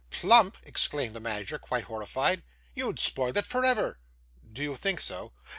'Plump!' exclaimed the manager, quite horrified, 'you'd spoil it for ever.' 'Do you think so?